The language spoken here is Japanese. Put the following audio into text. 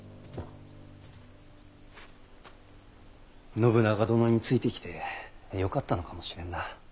信長殿についてきてよかったのかもしれんな。